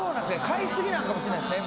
飼い過ぎなんかもしれないですね